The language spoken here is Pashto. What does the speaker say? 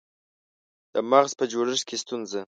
د مغز په جوړښت کې ستونزه